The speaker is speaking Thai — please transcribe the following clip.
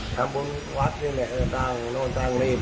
ทำบุญวัดนี้เนี่ยโทนทางนี่